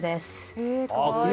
へえかわいい。